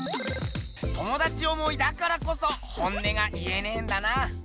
友達思いだからこそ本音が言えねえんだな。